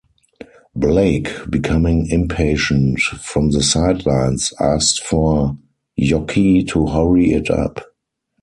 Blake, becoming impatient from the sidelines asked for Yockey to hurry it up.